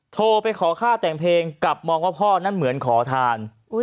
โทรไปขอค่าแต่งเพลงกลับมองว่าพ่อนั้นเหมือนขอทาน